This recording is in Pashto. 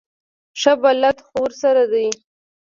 ښه بلد خو ورسره دی.